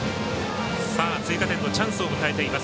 追加点のチャンスを迎えています。